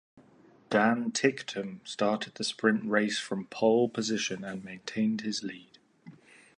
Dan Ticktum started the sprint race from pole position and maintained his lead.